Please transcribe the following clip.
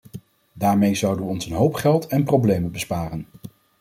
Daarmee zouden we ons een hoop geld en problemen besparen.